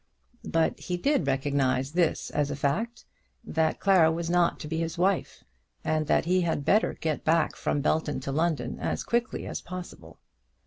But he did recognise this as a fact, that Clara was not to be his wife, and that he had better get back from Belton to London as quickly as possible.